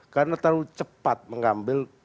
karena terlalu cepat mengambil